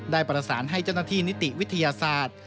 ได้ประสานให้เจ้าหน้าที่นิติวิทยาศาสตร์